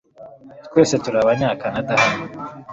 Twese turi abanyakanada hano .